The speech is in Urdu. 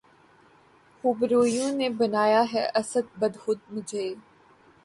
خوبرویوں نے بنایا ہے اسد بد خو مجھے